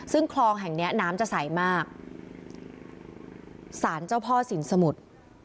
ซึ่งคลองแห่งเนี้ยน้ำจะใสมากสารเจ้าพ่อสินสมุทร